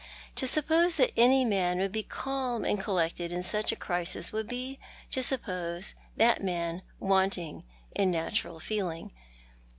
To suppose tliat any man would be calm and collected in such a crisis would be to suppose that man wanting in natural feeling.